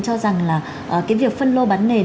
cho rằng là cái việc phân lô bán nền